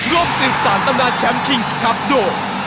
ร่วมสืบสารตำนานแชมป์คิงส์ครับโดย